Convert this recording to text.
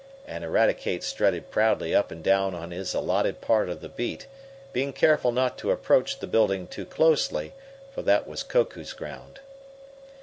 and Eradicate strutted proudly up and down on his allotted part of the beat, being careful not to approach the building too closely, for that was Koku's ground.